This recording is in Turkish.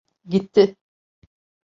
Gitti.